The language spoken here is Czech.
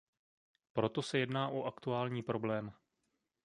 Proto se jedná o aktuální problém.